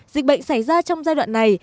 dịch bệnh xảy ra trong giai đoạn này